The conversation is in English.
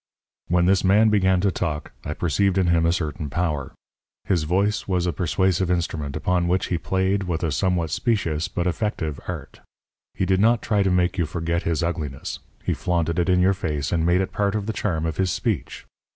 When this man began to talk I perceived in him a certain power. His voice was a persuasive instrument, upon which he played with a somewhat specious but effective art. He did not try to make you forget his ugliness; he flaunted it in your face and made it part of the charm of his speech.